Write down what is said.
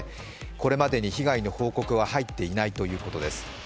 これまでに被害の報告は入っていないということです。